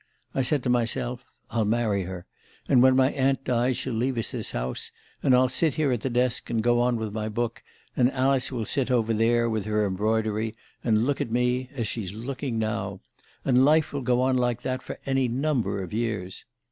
I said to myself: 'I'll marry her, and when my aunt dies she'll leave us this house, and I'll sit here at the desk and go on with my book; and Alice will sit over there with her embroidery and look at me as she's looking now. And life will go on like that for any number of years.